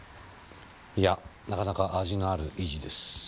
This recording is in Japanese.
いやなかなか味のあるいい字です。